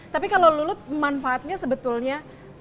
tapi kalau lulut manfaatnya sebetulnya